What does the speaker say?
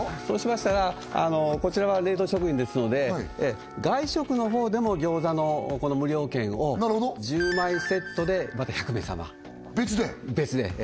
そうしましたらこちらは冷凍食品ですので外食の方でも餃子のこの無料券を１０枚セットでまた１００名様別で？